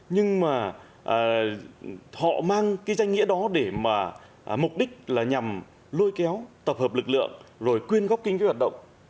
nhưng mà họ mang cái danh nghĩa đó để mà mục đích là nhằm lôi kéo tập hợp lực lượng rồi quyên góp kinh phí hoạt động